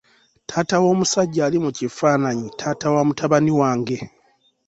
Taata w'omusajja ali mu kifaananyi taata wa mutabani wange.